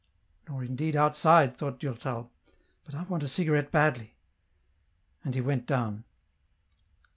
'* Nor indeed outside," thought Durtal. " But I want a cigarette badly ;" and he went down.